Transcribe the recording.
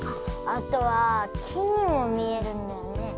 あとはきにもみえるんだよね。